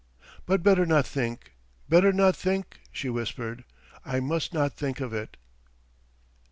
"But better not think, better not think ..." she whispered. "I must not think of it."